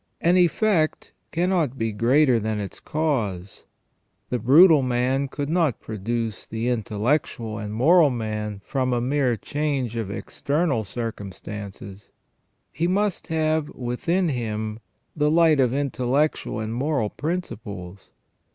An effect cannot be greater than its cause. The brutal 28o THE FALL OF MAN man could not produce the intellectual and moral man from a mere change of external circumstances ; he must have within him the light of intellectual and moral principles.